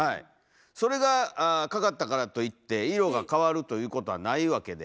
それがかかったからといって色が変わるということはないわけで。